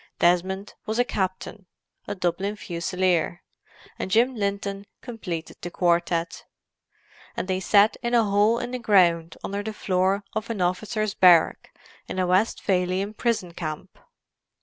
Desmond was a captain—a Dublin Fusilier; and Jim Linton completed the quartette; and they sat in a hole in the ground under the floor of an officers' barrack in a Westphalian prison camp.